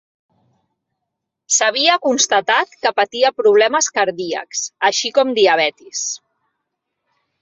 S'havia constatat que patia problemes cardíacs, així com diabetis.